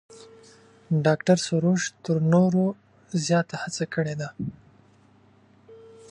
ډاکتر سروش تر نورو زیات هڅه کړې ده.